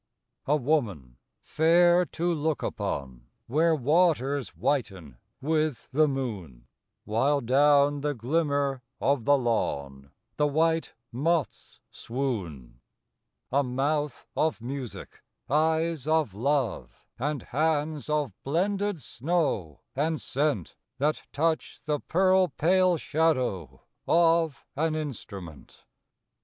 A woman, fair to look upon, Where waters whiten with the moon; While down the glimmer of the lawn The white moths swoon. A mouth of music; eyes of love; And hands of blended snow and scent, That touch the pearl pale shadow of An instrument.